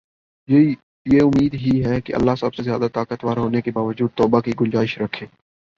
یہ امید ہی ہے کہ اللہ سب سے زیادہ طاقتور ہونے کے باوجود توبہ کی گنجائش رکھے